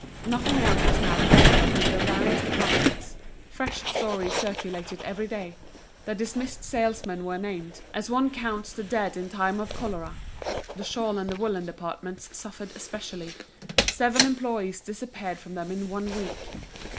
Nothing else was now talked of in the various departments. Fresh stories circulated every day. The dismissed salesmen were named, as one counts the dead in time of cholera. The shawl and the woollen departments suffered especially; seven employees disappeared from them in one week.